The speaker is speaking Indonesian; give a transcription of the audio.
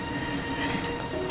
ya juga sih ma